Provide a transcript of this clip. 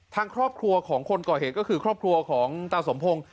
ทางครอบครัวของคนก่อเหตุก็คือครอบครัวของตาสมพงศ์